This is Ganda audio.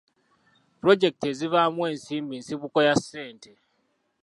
Pulojekiti ezivaamu ensimbi nsibuko ya ssente.